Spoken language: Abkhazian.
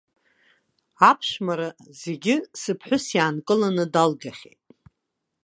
Аԥшәмара зегьы сыԥҳәыс иаанкыланы далгахьеит.